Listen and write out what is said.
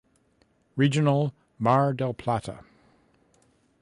Regional Mar del Plata.